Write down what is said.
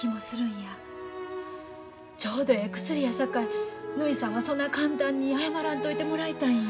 ちょうどええ薬やさかいぬひさんがそない簡単に謝らんといてもらいたいんや。